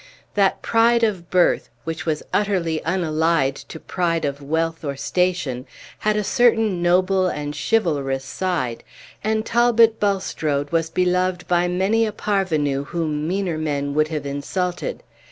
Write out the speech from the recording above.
That pride of birth, which was utterly unallied to pride of wealth or station, had a certain noble and chivalrous side, and Talbot Bulstrode was beloved by many a parvenu whom meaner men would have insulted.